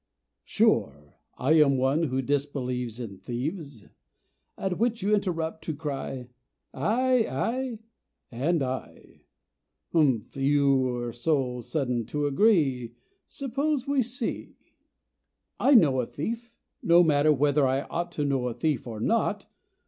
Sure! I am one who disbelieves In thieves; At which you interrupt to cry "Aye, aye, and I." Hmf! you're so sudden to agree. Suppose we see. I know a thief. No matter whether I ought to know a thief, or not.